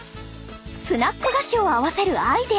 スナック菓子を合わせるアイデア！